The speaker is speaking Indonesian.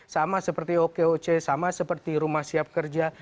sama seperti okoc sama seperti rumah siap kerja